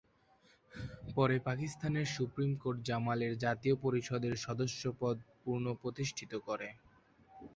পরে পাকিস্তানের supreme court জামালের জাতীয় পরিষদের সদস্যপদ পুনঃপ্রতিষ্ঠা করে।